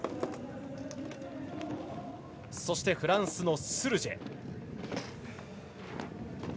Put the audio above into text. そしてフランスのスルジェ。